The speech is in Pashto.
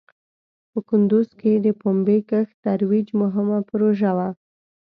په کندوز کې د پومبې کښت ترویج مهم پروژه وه.